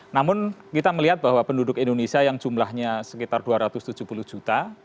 namun kita melihat bahwa penduduk indonesia yang jumlahnya sekitar dua ratus tujuh puluh juta